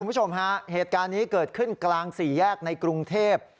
คุณผู้ชมฮะเหตุการณ์นี้เกิดขึ้นกลางสี่แยกในกรุงเทพ